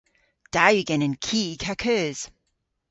Da yw genen kig ha keus.